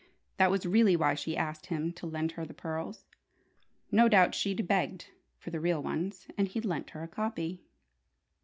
That was really why she'd asked him to lend her the pearls. No doubt she'd begged for the real ones, and he'd lent her the copy.